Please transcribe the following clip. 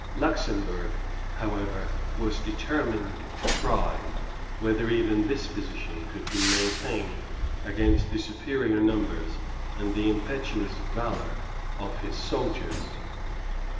Luxemburg, however, was determined to try whether even this position could be maintained against the superior numbers and the impetuous valour of his soldiers.